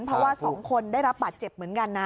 เพราะว่า๒คนได้รับบาดเจ็บเหมือนกันนะ